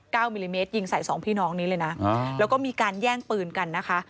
มิลลิเมตรยิงใส่สองพี่น้องนี้เลยนะอ่าแล้วก็มีการแย่งปืนกันนะคะ